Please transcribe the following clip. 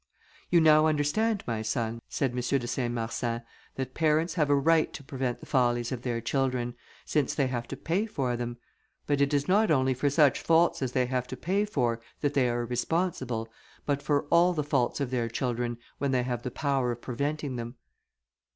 "You now understand, my son," said M. de Saint Marsin, "that parents have a right to prevent the follies of their children, since they have to pay for them; but it is not only for such faults as they have to pay for, that they are responsible, but for all the faults of their children, when they have the power of preventing them."